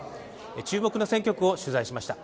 注目の選挙区を取材しました。